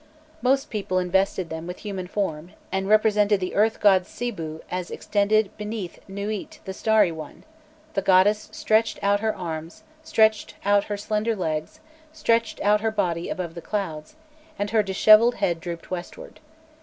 Most people invested them with human form, and represented the earth god Sibû as extended beneath Nûît the Starry One; the goddess stretched out her arms, stretched out her slender legs, stretched out her body above the clouds, and her dishevelled head drooped westward.